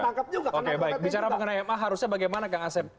oke baik bicara mengenai ma harusnya bagaimana kang asep